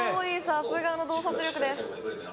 さすがの洞察力です